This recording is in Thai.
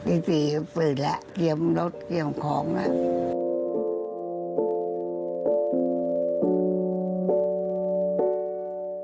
ตี๔ก็เปิดแล้วเตรียมรถเตรียมของแล้ว